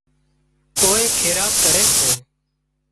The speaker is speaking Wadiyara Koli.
ڪوئي خيرات ڪري سي